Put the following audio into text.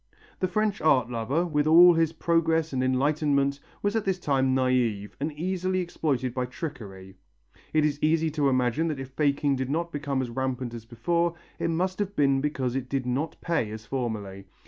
The French art lover, with all his progress and enlightenment, was at this time naive, and easily exploited by trickery. It is easy to imagine that if faking did not become as rampant as before, it must have been because it did not pay as formerly.